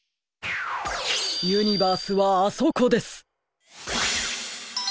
ユニバースはあそこです！